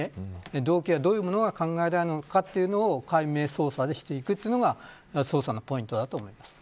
動機はどういうものが考えられるのかというのを解明捜査していくことが捜査のポイントだと思います。